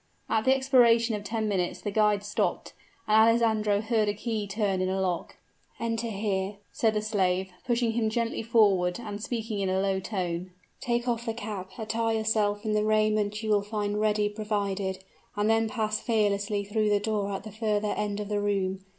At the expiration of ten minutes the guide stopped; and Alessandro heard a key turn in a lock. "Enter there," said the slave, pushing him gently forward, and speaking in a low tone. "Take off the cap attire yourself in the raiment you will find ready provided, and then pass fearlessly through the door at the further end of the room.